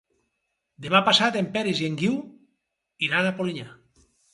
Demà passat en Peris i en Guiu iran a Polinyà.